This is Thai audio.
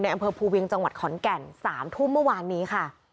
อำเภอภูเวียงจังหวัดขอนแก่น๓ทุ่มเมื่อวานนี้ค่ะ